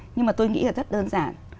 nhưng mà tôi nghĩ là rất đơn giản